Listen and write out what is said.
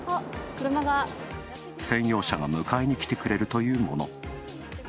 専用車が迎えに来てくれるというもの。